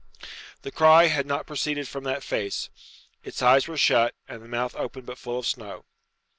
The cry had not proceeded from that face. Its eyes were shut, and the mouth open but full of snow.